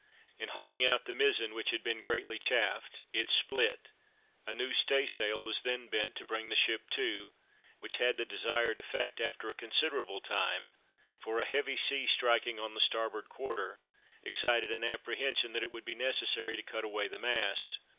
In hauling out the mizen, which had been greatly chafed, it split; a new staysail was then bent to bring the ship to, which had the desired effect after a considerable time, for a heavy sea striking on the starboard quarter, excited an apprehension that it would be necessary to cut away the mast.